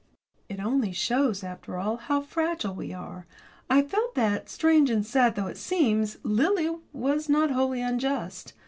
It only shows, after all, how fragile we are. I felt that, strange and sad though it seems, Lily was not wholly unjust.